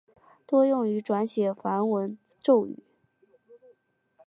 多用于转写梵文咒语。